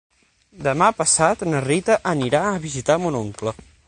Demà passat na Rita anirà a visitar mon oncle.